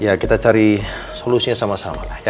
ya kita cari solusinya sama sama lah ya